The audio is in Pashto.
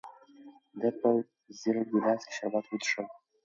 ده په زېړ ګیلاس کې شربت وڅښل.